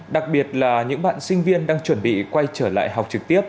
đặc biệt là những bạn sinh viên đang chuẩn bị quay trở lại học trực tiếp